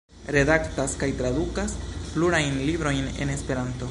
Redaktas kaj tradukas plurajn librojn en Esperanto.